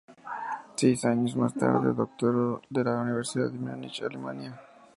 Seis años más tarde se doctoró de la Universidad de Múnich, Alemania.